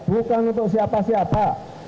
bukan untuk siapa siapa